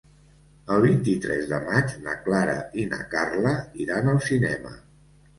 El vint-i-tres de maig na Clara i na Carla iran al cinema.